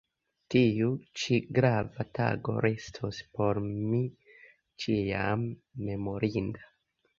Tiu ĉi grava tago restos por mi ĉiam memorinda.